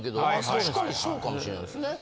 確かにそうかもしれないですね。